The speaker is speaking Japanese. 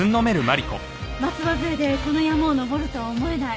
松葉杖でこの山を登るとは思えない。